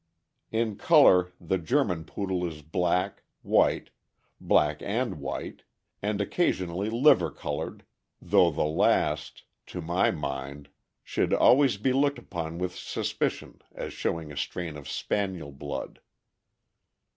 In color the 'German Poodle is black, white, black and white, and occasionally liver colored, though the last, to 618 THE AMERICAN BOOK OF THE DOG. \ my mind, should always be looked upon with suspicion as showing a strain of Spaniel blood.